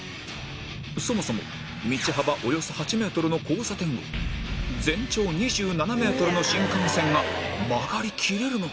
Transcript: そもそも道幅およそ８メートルの交差点を全長２７メートルの新幹線が曲がりきれるのか？